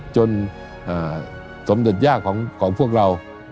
สมเด็จยากของพวกเรา